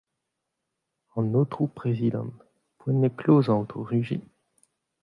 An Aotrou Prezidant : Poent eo klozañ, Aotrou Rugy !